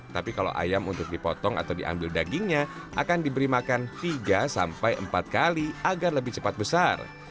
tapi kalau ayam untuk dipotong atau diambil dagingnya akan diberi makan tiga sampai empat kali agar lebih cepat besar